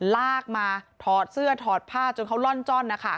ลากมาถอดเสื้อถอดผ้าจนเขาล่อนจ้อนนะคะ